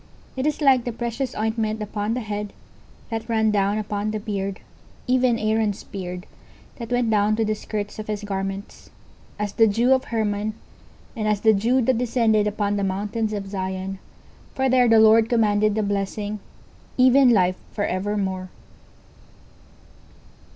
19:133:002 It is like the precious ointment upon the head, that ran down upon the beard, even Aaron's beard: that went down to the skirts of his garments; 19:133:003 As the dew of Hermon, and as the dew that descended upon the mountains of Zion: for there the LORD commanded the blessing, even life for evermore.